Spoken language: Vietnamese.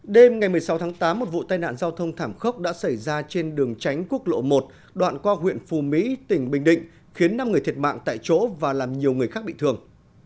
đêm ngày một mươi sáu tháng tám một vụ tai nạn giao thông thảm khốc đã xảy ra trên đường tránh quốc lộ một đoạn qua huyện phù mỹ tỉnh bình định khiến năm người thiệt mạng tại chỗ và làm nhiều người khác bị thương